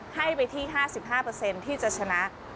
ให้ไปที่๕๕ที่จะชนะ